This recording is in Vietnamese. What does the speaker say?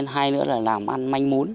hay nữa là làm ăn manh mốn